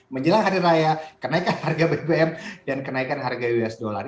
menjelang hari raya kenaikan harga bbm dan kenaikan harga us dollar